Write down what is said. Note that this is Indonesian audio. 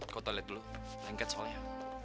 kau toilet dulu lengket soalnya